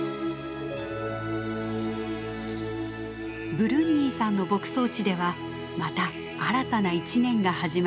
ブルンニーさんの牧草地ではまた新たな一年が始まりました。